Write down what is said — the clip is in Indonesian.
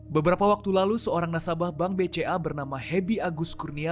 beberapa waktu lalu seorang nasabah bank bca bernama hebi agus kurnia